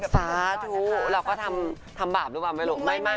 สาธุเราก็ทำบาปหรือเปล่าไม่รู้